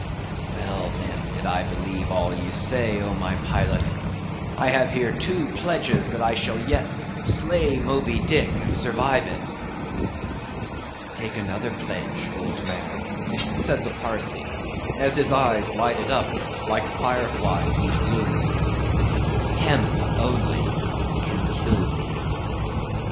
Well, then, did I believe all ye say, oh my pilot! I have here two pledges that I shall yet slay Moby Dick and survive it." "Take another pledge, old man," said the Parsee, as his eyes lighted up like fire flies in the gloom—"Hemp only can kill thee."